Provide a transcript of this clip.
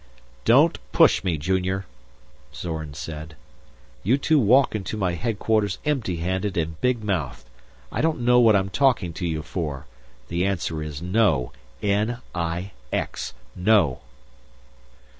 "Don't push me, Junior!" Zorn said. "You two walk into my headquarters empty handed and big mouthed. I don't know what I'm talking to you for. The answer is no. N I X, no!"